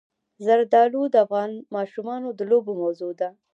زردالو د افغان ماشومانو د لوبو موضوع ده.